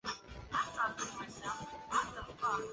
被列入这本书中的名山后来成为游客们向往的游览胜地。